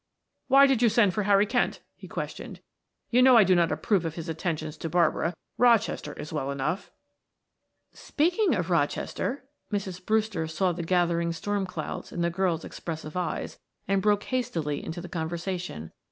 "Why did you send for Harry Kent?" he questioned. "You know I do not approve of his attentions to Barbara. Rochester is well enough " "Speaking of Rochester" Mrs. Brewster saw the gathering storm clouds in the girl's expressive eyes, and broke hastily into the conversation.